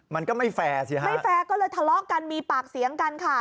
มันก็ไม่แฟร์สิฮะไม่แฟร์ก็เลยทะเลาะกันมีปากเสียงกันค่ะ